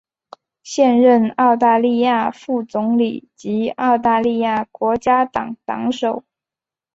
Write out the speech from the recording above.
现任澳大利亚副总理及澳大利亚国家党党首。